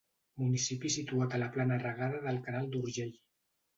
Municipi situat a la plana regada pel canal d'Urgell.